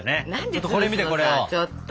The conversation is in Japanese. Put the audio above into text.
ちょっとこれ見てこれを。